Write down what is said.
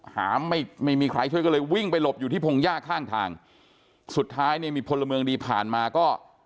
หาไม่ไม่มีใครช่วยก็เลยวิ่งไปหลบอยู่ที่พงหญ้าข้างทางสุดท้ายเนี่ยมีพลเมืองดีผ่านมาก็